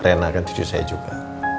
rena akan tuju saya juga